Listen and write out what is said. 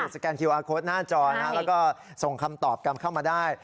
สแกนคิวอาร์โค้ดหน้าจอแล้วก็ส่งคำตอบกลับเข้ามาได้